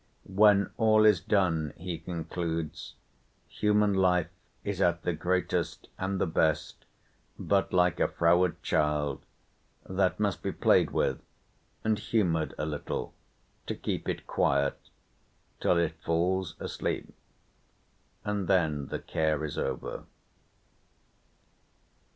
"When all is done (he concludes), human life is at the greatest and the best but like a froward child, that must be played with, and humoured a little, to keep it quiet, till it falls asleep, and then the care is over."